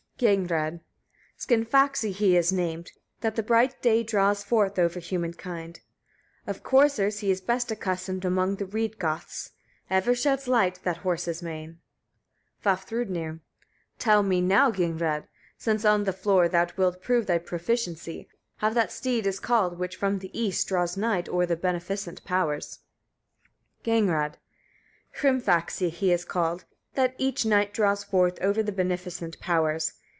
Gagnrâd. 12. Skinfaxi he is named, that the bright day draws forth over human kind. Of coursers he is best accounted among the Reid goths. Ever sheds light that horse's mane. Vafthrûdnir. 13. Tell me now, Gagnrâd! since on the floor thou wilt prove thy proficiency, how that steed is called, which from the east draws night o'er the beneficent powers? Gagnrâd. 14. Hrimfaxi he is called, that each night draws forth over the beneficent powers.